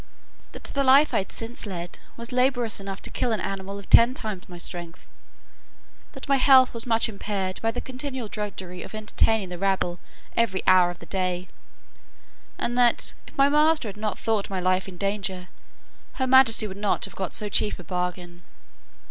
That the life I had since led was laborious enough to kill an animal of ten times my strength. That my health was much impaired, by the continual drudgery of entertaining the rabble every hour of the day; and that, if my master had not thought my life in danger, her majesty would not have got so cheap a bargain.